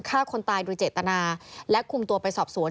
ฆ่าคนตายโดยเจตนาและคุมตัวไปสอบสวน